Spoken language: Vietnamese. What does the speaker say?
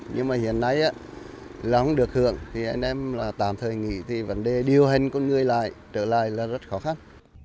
nhưng mà hiện nay là không được hưởng thì anh em tạm thời nghĩ vấn đề điều hành con người lại trở lại là rất khó khăn